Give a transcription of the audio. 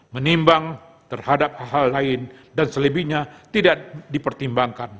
menimbang terhadap hal hal lain dan selebihnya tidak dipertimbangkan